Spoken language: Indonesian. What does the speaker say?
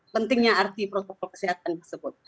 pentingnya arti protokol kesehatan tersebut